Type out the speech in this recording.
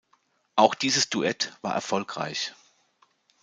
Auch dieses Duett war erfolgreich.